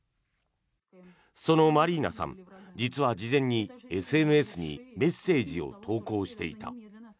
そのマリーナさん実は事前にＳＮＳにメッセージを投稿していた。